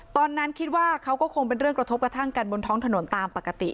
ตอนนั้นคิดว่าเขาก็คงเป็นเรื่องกระทบกระทั่งกันบนท้องถนนตามปกติ